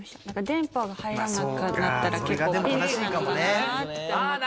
電波が入らなくなったら結構ピンチなのかなって思って。